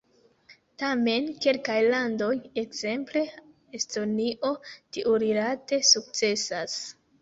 Tamen kelkaj landoj, ekzemple Estonio, tiurilate sukcesas.